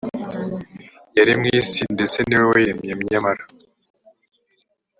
yari mu isi ndetse ni we wayiremye nyamara